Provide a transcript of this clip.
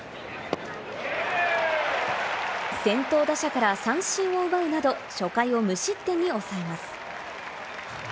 先頭打者から三振を奪うなど、初回を無失点に抑えます。